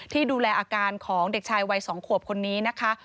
ที่ดูแลอาการของเด็กชายวัย๒ขวบคนนี้นะคะ